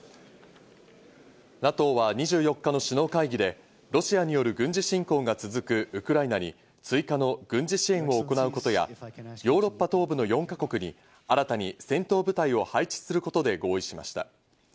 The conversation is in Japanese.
ＮＡＴＯは２４日の首脳会議でロシアによる軍事侵攻が続くウクライナに、追加の軍事支援を行うことや、ヨーロッパ東部の４か国に新たに戦闘部隊を配置することで合意しました。